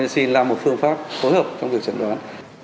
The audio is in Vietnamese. xin làm một phương pháp phối hợp trong việc trần đoán